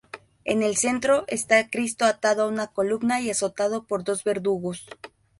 En el centro está Cristo atado a una columna y azotado por dos verdugos.